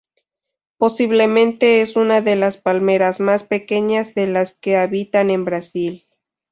Posiblemente es una de las palmeras más pequeñas de las que habitan en Brasil.